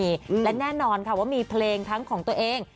ที่เจ้าตัวนั้นมีและแน่นอนค่ะว่ามีเพลงทั้งของตัวเอง